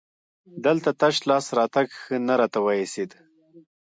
دلته تش لاس راتګ ښه نه راته وایسېد.